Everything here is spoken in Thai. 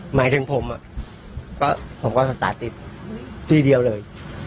หมายถึงผมผมก็สตาร์ทติดที่เดียวเลย